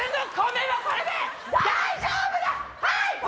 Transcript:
はい！